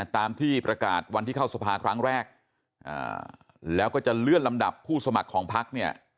ตามที่ประกาศวันที่เข้าสภาครั้งแรกแล้วก็จะเลื่อนลำดับผู้สมัครของพักเนี่ย